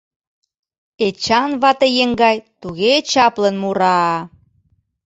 Эчан вате еҥгай туге чаплын мура-а...